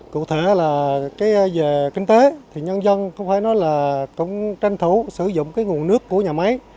cụ thể là về kinh tế thì nhân dân cũng phải nói là cũng tranh thủ sử dụng cái nguồn nước của nhà máy